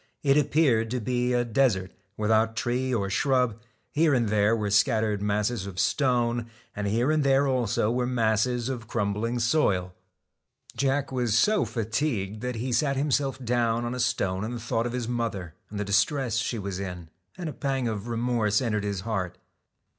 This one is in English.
It appeared to be a desert, without tree or shrub, here and there were scattered masses of stone, and here and there also were masses of crumbling soil. 4 Jack was so fatigued that he sat himself down JACK on a stone and thought of his mother, and the AND THE distress she was in, and a pang of remorse entered ^ his heart.